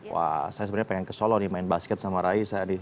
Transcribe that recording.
wah saya sebenarnya pengen ke solo nih main basket sama raisa nih